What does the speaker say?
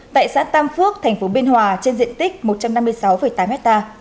tại xã tam phước tp hcm trên diện tích một trăm năm mươi sáu tám ha